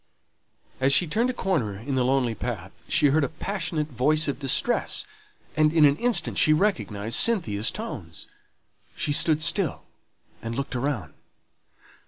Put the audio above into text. As she turned a corner in the lonely path, she heard a passionate voice of distress; and in an instant she recognized Cynthia's tones. She stood still and looked around.